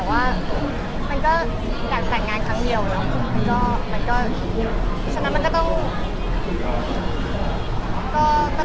พี่ก็แบบแตกแตกผิดแต่ว่ามันก็แบบแตกงานครั้งเดียวแล้ว